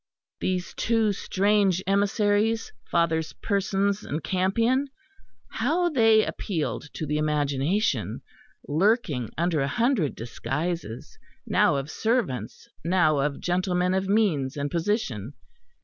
These two strange emissaries, Fathers Persons and Campion how they appealed to the imagination, lurking under a hundred disguises, now of servants, now of gentlemen of means and position!